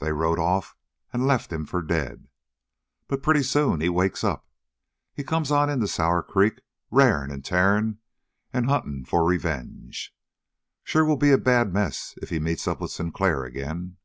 They rode off and left him for dead. But pretty soon he wakes up. He comes on into Sour Creek, rarin' and tearin' and huntin' for revenge. Sure will be a bad mess if he meets up with Sinclair ag'in!"